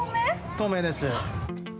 透明です。